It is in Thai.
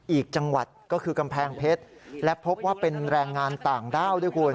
อีกจังหวัดก็คือกำแพงเพชรและพบว่าเป็นแรงงานต่างด้าวด้วยคุณ